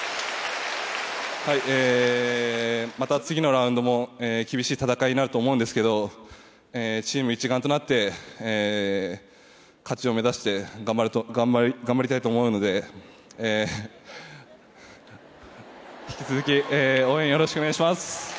また次のラウンドも厳しい戦いになると思うんですけどチーム一丸となって勝ちを目指して頑張りたいと思うので引き続き応援よろしくお願いします！